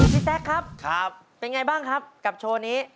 พี่แต๊กครับเป็นไงบ้างครับกับโชว์นี้